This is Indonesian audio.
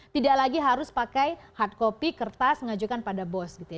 tidak lagi harus pakai hard copy kertas mengajukan pada bos gitu ya